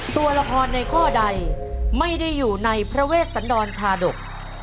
ตัวละครในข้อใดไม่ได้อยู่ในพระเวชสันดรชาดก